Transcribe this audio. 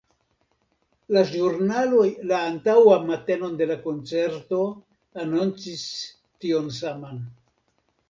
La ĵurnaloj la antaŭan matenon de la koncerto anoncis tion saman.